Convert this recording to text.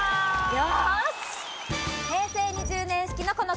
よし！